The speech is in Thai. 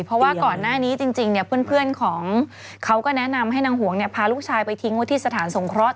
เพราะว่าก่อนหน้านี้จริงเนี่ยเพื่อนของเขาก็แนะนำให้นางหวงพาลูกชายไปทิ้งไว้ที่สถานสงเคราะห